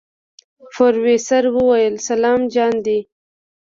پروفيسر وويل سلام جان دی.